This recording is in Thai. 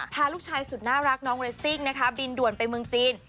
พาลูกชายสุดน่ารักน้องเรสซิ่งนะคะบินด่วนไปเมืองจีน